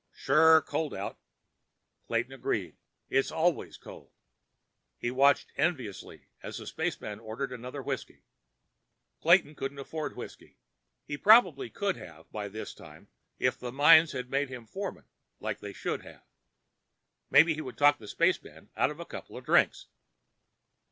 "Sure cold out." Clayton agreed. "It's always cold." He watched enviously as the spaceman ordered another whiskey. Clayton couldn't afford whiskey. He probably could have by this time, if the mines had made him a foreman, like they should have. Maybe he could talk the spaceman out of a couple of drinks.